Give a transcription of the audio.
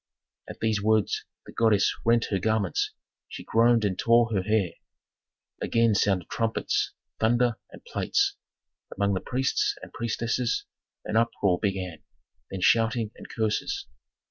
At these words the goddess rent her garments, she groaned and tore her hair. Again sounded trumpets, thunder, and plates; among the priests and priestesses an uproar began, then shouting and curses.